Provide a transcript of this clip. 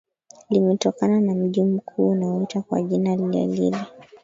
limetokana na mji mkuu unaoitwa kwa jina lilelile